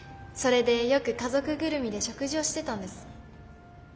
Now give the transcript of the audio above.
それでよく家族ぐるみで食事をしてたんです。